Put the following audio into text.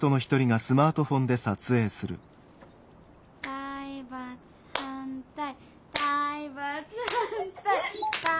体罰反対体罰反対。